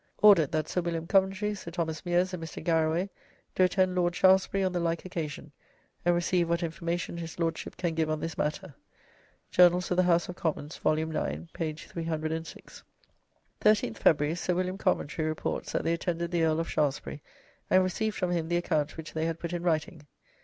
'Ordered that Sir William Coventry, Sir Thomas Meeres, and Mr. Garraway do attend Lord Shaftesbury on the like occasion, and receive what information his Lordship, can give on this matter.'" Journals of the House of Commons, vol. ix., p. 306. " 13th February, Sir W. Coventry reports that they attended the Earl of Shaftesbury, and received from him the account which they had put in writing.